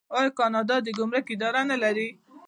آیا کاناډا د ګمرک اداره نلري؟